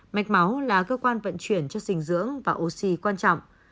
mạch máu là cơ quan vận chuyển cho sinh dưỡng và oxy quan trọng